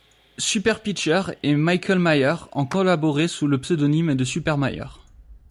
Superpitcher et Michael Mayer ont collaboré sous le pseudonyme Supermayer.